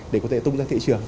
để có thể tung ra thị trường